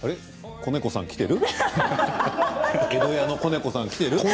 小猫さん来てる？。